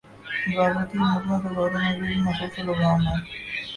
مذاکرتی کمیٹیوں کے بارے میں بھی مسلسل ابہام ہے۔